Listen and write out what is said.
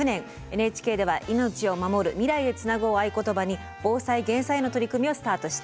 ＮＨＫでは「命をまもる未来へつなぐ」を合言葉に防災・減災への取り組みをスタートしています。